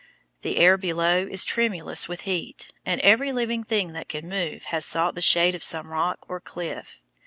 The air below is tremulous with heat, and every living thing that can move has sought the shade of some rock or cliff.